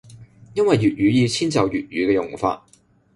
因為粵語要遷就粵語嘅用法